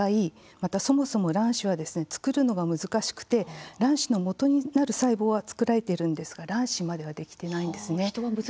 また、そもそも卵子は作るのが難しくて卵子の元になる細胞は作られているんですが卵子まではできていません。